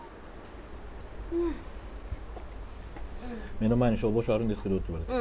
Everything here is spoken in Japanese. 目の前に消防署あるんですけどって言われて。